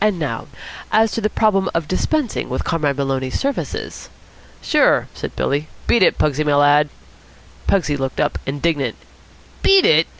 And now, as to the problem of dispensing with Comrade Maloney's services?" "Sure," said Billy. "Beat it, Pugsy, my lad." Pugsy looked up, indignant. "Beat it?"